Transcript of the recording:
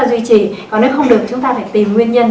phải tự trì còn nếu không được thì chúng ta phải tìm nguyên nhân